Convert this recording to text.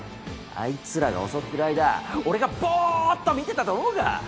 あいつらが襲ってるあいだ俺がぼっと見てたと思うか？